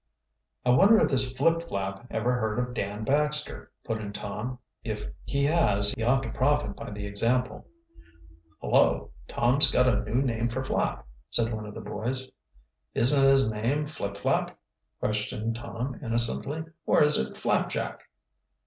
"I wonder if this Flipflap ever heard of Dan Baxter," put in Tom. "If he has he ought to profit by the example." "Hullo, Tom's got a new name for Flapp," said one of the boys. "Isn't his name Flipflap?" questioned Tom innocently. "Or is it Flapjack?"